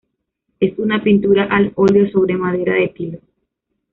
Es una pintura al óleo sobre madera de tilo.